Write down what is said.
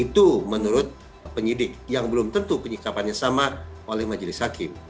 itu menurut penyidik yang belum tentu penyikapannya sama oleh majelis hakim